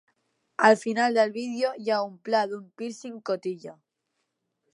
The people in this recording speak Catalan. Al final del vídeo hi ha un pla d'un pírcing cotilla.